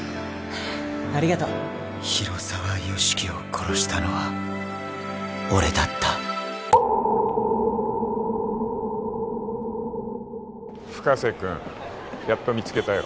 ありがとう広沢由樹を殺したのは俺だった深瀬君やっと見つけたよ